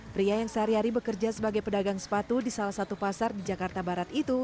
pria yang sehari hari bekerja sebagai pedagang sepatu di salah satu pasar di jakarta barat itu